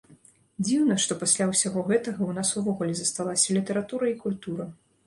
Дзіўна, што пасля ўсяго гэтага ў нас увогуле засталася літаратура і культура.